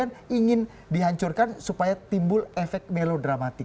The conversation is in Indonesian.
yang ingin dihancurkan supaya timbul efek melodramatik